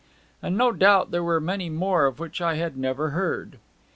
And no doubt there were many more of which I had never heard.